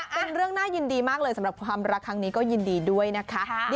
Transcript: เป็นเรื่องน่ายินดีมากเลยสำหรับความรักครั้งนี้ก็ยินดีด้วยนะคะ